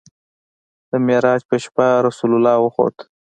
د معراج په شپه رسول الله وخوت.